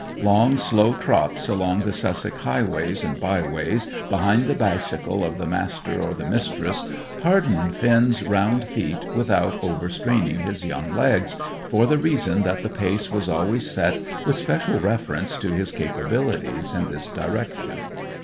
Long, slow trots along the Sussex highways and by ways, behind the bicycle of the Master or the Mistress, hardened Finn's round feet without overstraining his young legs, for the reason that the pace was always set with special reference to his capabilities in this direction.